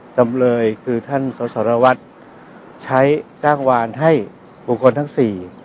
จำเลยคือท่านสสรวัตรใช้จ้างวานให้บุคคลทั้งสี่